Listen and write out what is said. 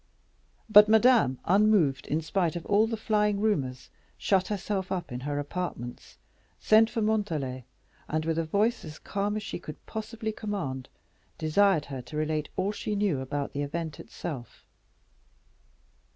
But Madame, unmoved in spite of all the flying rumors, shut herself up in her apartments, sent for Montalais, and, with a voice as calm as she could possibly command, desired her to relate all she knew about the event itself.